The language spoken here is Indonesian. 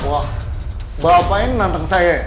wah bapak yang nanteng saya